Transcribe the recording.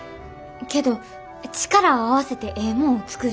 けど力を合わせてええもんを作る。